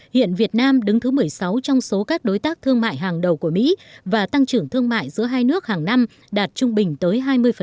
hiện việt nam đứng thứ một mươi sáu trong số các đối tác thương mại hàng đầu của mỹ và tăng trưởng thương mại giữa hai nước hàng năm đạt trung bình tới hai mươi